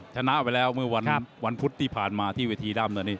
ชนะไว้แล้วเมื่อวันพุธที่ผ่านมาที่เวทีด้ำ